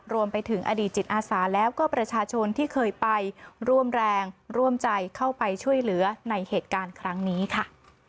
รวมไปถึงอดีตจิตอาสาแล้วก็ประชาชนที่เคยไปร่วมแรงร่วมใจเข้าไปช่วยเหลือในเหตุการณ์ครั้งนี้ค่ะ